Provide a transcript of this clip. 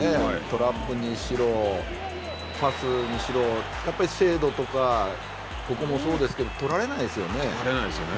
トラップにしろパスにしろやっぱり精度とかここもそうですけど取られないですよね。